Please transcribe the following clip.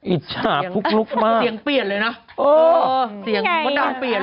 อิจฉาฟลุกลุกมากเตียงเปลี่ยนเลยนะเออเตียงบรรดาเปลี่ยนเลยนะ